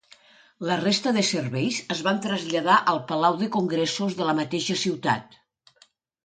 La resta de serveis es van traslladar al palau de congressos de la mateixa ciutat.